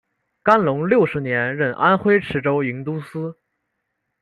干隆六十年任安徽池州营都司。